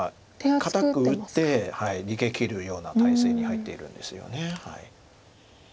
堅く打って逃げきるような態勢に入っているんですよね。